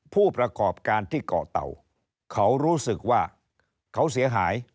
ผู้ประกอบการที่เกาะเต่าเขารู้สึกว่าเขาเสียหาย